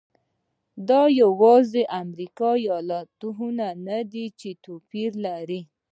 دا یوازې امریکا متحده ایالات نه دی چې توپیر لري.